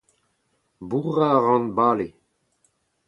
bourrañ a ran bale